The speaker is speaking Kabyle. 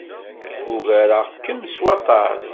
Ugareɣ-kem s waṭas.